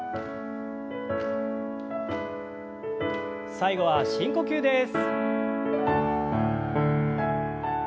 最後は深呼吸です。